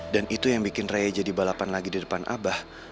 dan itu yang bikin raya jadi balapan lagi di depan abah